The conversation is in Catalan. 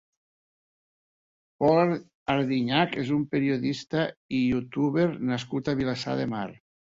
Pol Andiñach és un periodista i youtuber nascut a Vilassar de Mar.